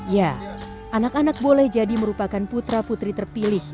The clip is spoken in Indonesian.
ya anak anak boleh jadi merupakan putra putri terpilih